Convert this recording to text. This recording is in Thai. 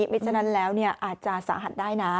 ไม่ฉะนั้นแล้วเนี่ยอาจจะสาหัสได้นะ